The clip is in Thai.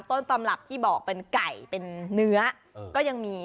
ต้นตำรับที่บอกเป็นไก่เป็นเนื้อก็ยังมี